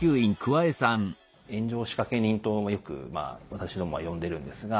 炎上仕掛け人とよくまあ私どもは呼んでるんですが。